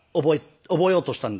覚えようとしたんです。